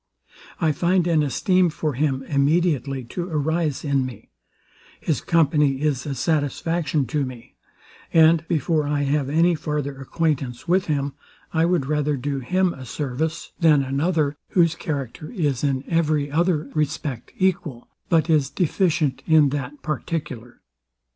I find an esteem for him immediately to arise in me: His company is a satisfaction to me; and before I have any farther acquaintance with him, I would rather do him a service than another, whose character is in every other respect equal, but is deficient in that particular.